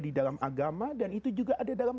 di dalam agama dan itu juga ada dalam